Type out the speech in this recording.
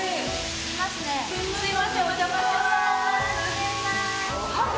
すみませんおじゃまします。